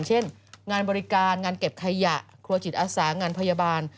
เช่นงานบริการงานเก็บขยะครัวจิตอาสางานพยาบาล